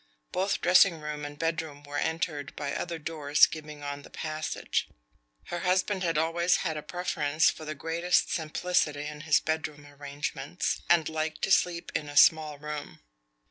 Both dressing room and bedroom were entered by other doors giving on the passage. Her husband had always had a preference for the greatest simplicity in his bedroom arrangements, and liked to sleep in a small room.